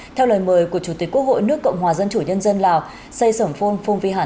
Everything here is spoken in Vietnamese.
theo lời mời của chủ tịch quốc hội nước cộng hòa dân chủ nhân dân lào xây sổng phôn phong vi hẳn